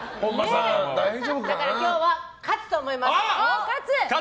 だから今日は勝つと思います！